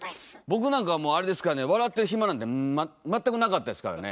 僕なんかはもう笑ってる暇なんて全くなかったですからね。